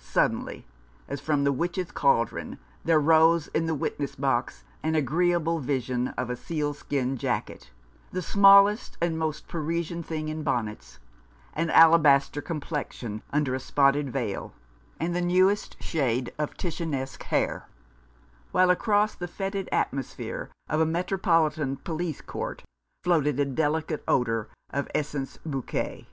Suddenly, as from the witches' cauldron, there rose in the witness box an agreeable vision of a sealskin jacket, the smallest and most Parisian thing in bonnets, an alabaster complexion under a spotted veil, and the newest shade of Titianesque hair, while across the fcetid atmosphere of a 143 Rough Justice. Metropolitan Police Court floated a delicate odour of Ess. Bouquet.